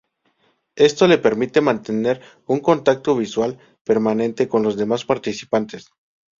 Esto le permite mantener un contacto visual permanente con los demás participantes.